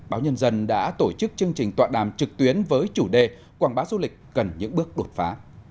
báo nhân dân đã tổ chức chương trình tọa đàm trực tuyến với chủ đề quảng bá du lịch cần những bước đột phá